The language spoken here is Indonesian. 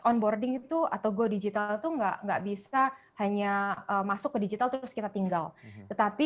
onboarding itu atau go digital itu enggak enggak bisa hanya masuk ke digital terus kita tinggal tetapi